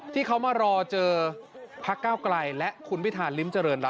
ที่เขามารอเจอพักเก้าไกลและคุณพิธาริมเจริญรัฐ